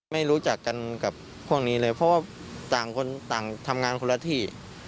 ไม่รู้จักกันกับพวกนี้เลยเพราะว่าต่างคนต่างทำงานคนละที่